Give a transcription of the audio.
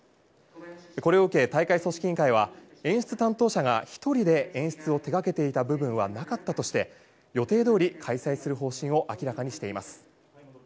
これを受け大会組織委員会は演出担当者が１人で演出を手掛けていた部分はなかったとして予定どおり開催する方針を明らかにしています。